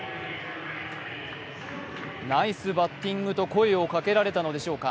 ナイスバッティングと声をかけられたのでしょうか。